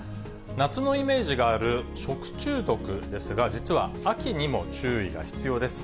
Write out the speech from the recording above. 夏のイメージがある食中毒ですが、実は秋にも注意が必要です。